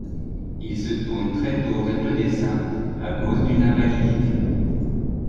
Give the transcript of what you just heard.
Il se tourne très tôt vers le dessin, à cause d’une invalidité.